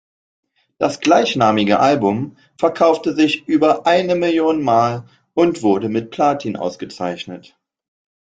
Das gleichnamige Album verkaufte sich über eine Million Mal und wurde mit Platin ausgezeichnet.